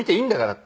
って。